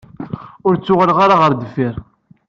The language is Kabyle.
Ur ttuɣaleɣ ara ɣer deffir.